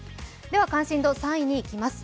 では関心度３位にいきます。